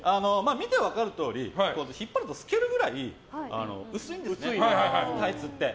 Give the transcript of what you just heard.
見て分かるとおり引っ張ると透けるくらい薄いんですね、タイツって。